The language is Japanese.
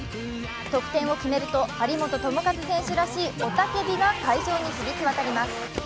得点を決めると張本美和選手らしい雄たけびが会場に響きわたります。